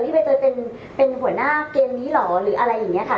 ใบเตยเป็นหัวหน้าเกมนี้เหรอหรืออะไรอย่างนี้ค่ะ